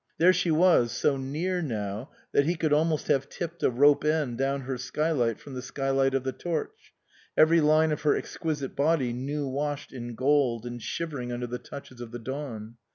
There she was, so near now that he could almost have tipped a rope end down her skylight from the skylight of the Torch, every line of her exquisite body new washed in gold and shivering under the touches of the dawn.